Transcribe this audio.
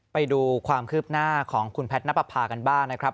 ไปดูความคืบหน้าของคุณแพทย์นับประพากันบ้างนะครับ